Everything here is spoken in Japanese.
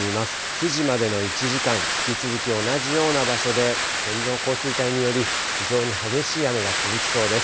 ９時までの１時間、引き続き同じような場所で、線状降水帯により非常に激しい雨が続きそうです。